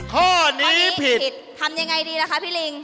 ข้อนี้ผิดทำยังไงดีล่ะคะพี่ลิง